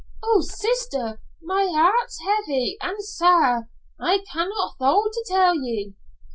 "Oh, sister, my hairt's heavy an' sair. I canna' thole to tell ye."